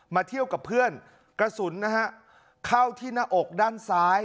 เที่ยวกับเพื่อนกระสุนนะฮะเข้าที่หน้าอกด้านซ้าย